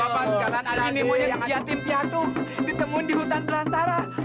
bapak sekarang nih monyet giatin piatu ditemun di hutan perantara